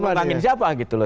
menunggangin siapa gitu loh